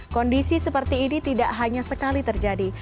kondisi seperti ini tidak hanya sekali terjadi